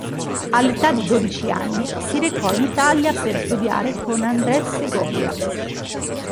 All'età di dodici anni si recò in Italia per studiare con Andrés Segovia.